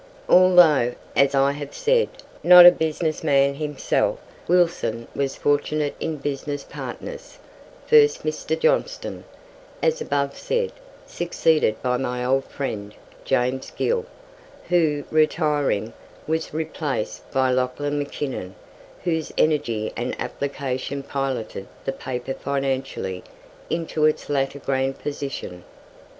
Although, as I have said, not a business man himself, Wilson was fortunate in business partners first Mr. Johnston, as above said, succeeded by my old friend James Gill, who, retiring, was replaced by Lauchlan Mackinnon whose energy and application piloted the paper financially into its later grand position.